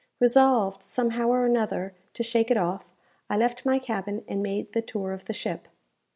Resolved, somehow or another, to shake it off, I left my cabin and made the tour of the ship.